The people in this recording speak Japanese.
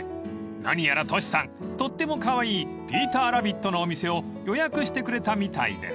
［何やらトシさんとってもカワイイピーターラビットのお店を予約してくれたみたいです］